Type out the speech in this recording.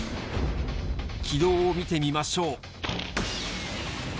軌道を見てみましょう。